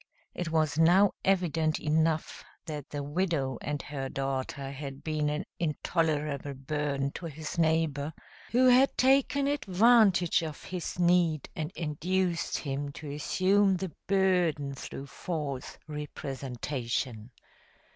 It was now evident enough that the widow and her daughter had been an intolerable burden to his neighbor, who had taken advantage of his need and induced him to assume the burden through false representation.